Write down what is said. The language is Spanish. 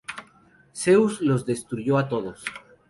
Zeus los destruyó a todos.